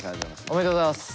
おめでとうございます。